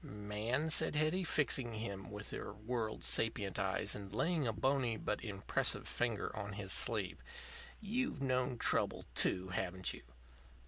"Man," said Hetty, fixing him with her world sapient eyes, and laying a bony but impressive finger on his sleeve, "you've known trouble, too, haven't you?"